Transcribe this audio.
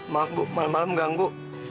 maaf bu malem malem ganggu